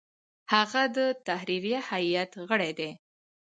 هغه د تحریریه هیئت غړی دی.